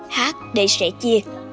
hát để sẻ chia